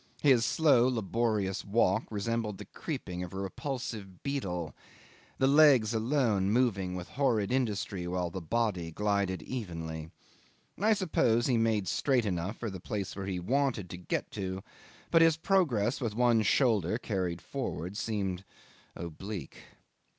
His slow laborious walk resembled the creeping of a repulsive beetle, the legs alone moving with horrid industry while the body glided evenly. I suppose he made straight enough for the place where he wanted to get to, but his progress with one shoulder carried forward seemed oblique.